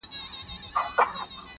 هر څوک ځان په بل حالت کي احساسوي ګډ,